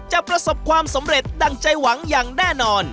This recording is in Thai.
ประสบความสำเร็จดั่งใจหวังอย่างแน่นอน